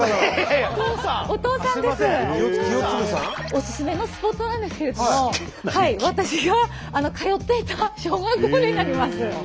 おすすめのスポットなんですけれども私が通っていた小学校になります。